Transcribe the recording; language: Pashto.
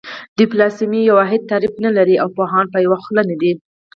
ډیپلوماسي یو واحد تعریف نه لري او پوهان په یوه خوله نه دي